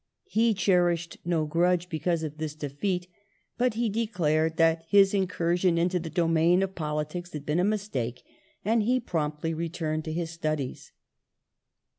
He cherished no grudge because of this defeat, but he de clared that his incursion into the domain of politics had been a mistake, and he promptly returned to his studies.